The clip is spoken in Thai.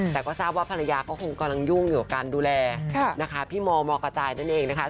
แต่ก็ทราบว่าภรรยาก็คงกำลังยุ่งอยู่กับการดูแลนะคะพี่มมกระจายนั่นเองนะคะ